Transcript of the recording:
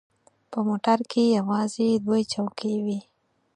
په موټر کې یوازې دوې چوکۍ وې.